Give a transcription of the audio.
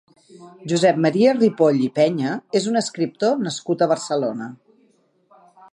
Josep Maria Ripoll i Peña és un escriptor nascut a Barcelona.